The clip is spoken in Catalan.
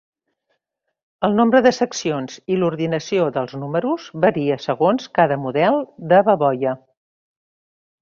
El nombre de seccions, i l'ordenació dels números varia segons cada model de baboia.